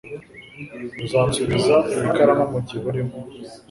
Uzansubiza iyi karamu mugihe urimo